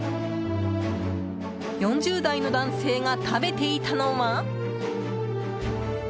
４０代の男性が食べていたのは？